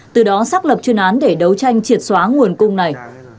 từ đó xác lập chuyên án để đấu tranh triệt xóa nguồn cung này